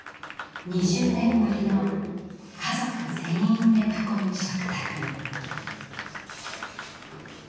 ２０年ぶりの家族全員で囲む食卓。